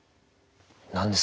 何ですか？